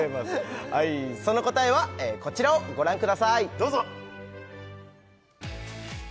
その答えはこちらをご覧くださいどうぞ！